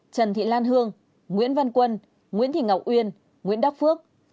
trần thị lan hương nguyễn văn quân nguyễn thị ngọc uyên nguyễn đắc phước